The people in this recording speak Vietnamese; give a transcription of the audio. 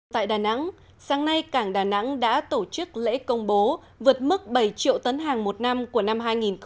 tại đà nẵng sáng nay cảng đà nẵng đã tổ chức lễ công bố vượt mức bảy triệu tấn hàng một năm của năm hai nghìn hai mươi